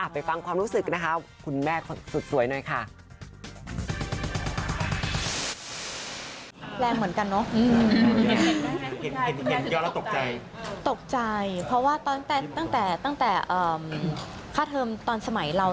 เพราะว่าตั้งแต่ค่าเทอมตอนสมัยเรา